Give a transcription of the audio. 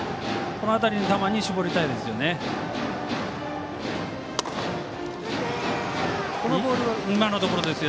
この辺りの球に絞りたいです。